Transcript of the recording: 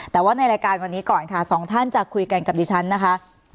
แต่ว่าในรายการวันนี้ก่อนค่ะสองท่านจะคุยกันกับดิฉันนะคะ